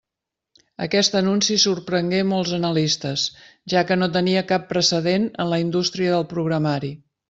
Aquest anunci sorprengué molts analistes, ja que no tenia cap precedent en la indústria del programari.